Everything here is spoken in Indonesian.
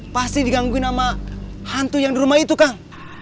pasti digangguin sama hantu yang di rumah itu kang